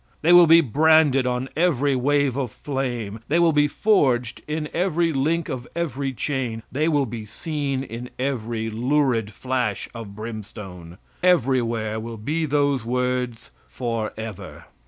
They will be branded on every wave of flame, they will be forged in every link of every chain, they will be seen in every lurid flash of brimstone everywhere will be those words "for ever."